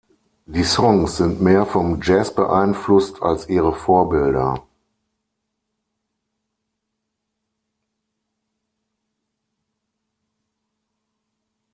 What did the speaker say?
Die Songs sind mehr vom Jazz beeinflusst als ihre Vorbilder.